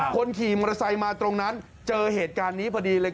คนขี่มอเตอร์ไซค์มาตรงนั้นเจอเหตุการณ์นี้พอดีเลย